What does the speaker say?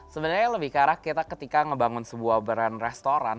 sebenarnya lebih ke arah kita ketika ngebangun sebuah brand restoran